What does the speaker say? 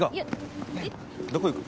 どこ行く？